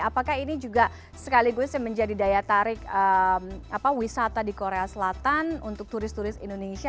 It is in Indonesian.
apakah ini juga sekaligus yang menjadi daya tarik wisata di korea selatan untuk turis turis indonesia